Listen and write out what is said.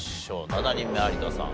７人目有田さん